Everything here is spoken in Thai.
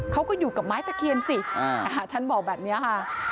เขาก็อยู่กับไม้ตะเคียนสิท่านบอกแบบนี้ค่ะ